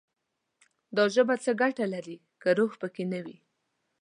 دا ژبه څه ګټه لري، که روح پکې نه وي»